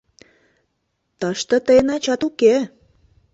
Тыште тыйын ачат уке!